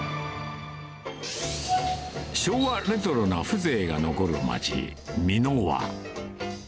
昭和レトロな風情が残る街、三ノ輪。